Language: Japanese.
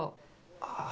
ああ。